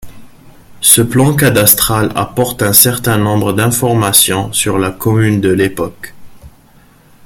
Ce plan cadastral apporte un certain nombre d'informations sur la commune de l'époque.